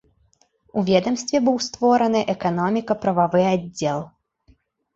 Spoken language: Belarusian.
У ведамстве быў створаны эканоміка-прававы аддзел.